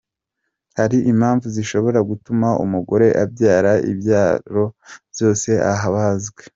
Hari impamvu zishobora gutuma umugore abyara ibyaro zose abazwe ?.